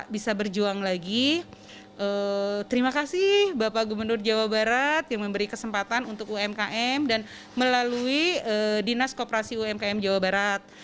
bisa berjuang lagi terima kasih bapak gubernur jawa barat yang memberi kesempatan untuk umkm dan melalui dinas koperasi umkm jawa barat